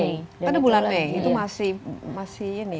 pada bulan mei itu masih tebal ya saljunya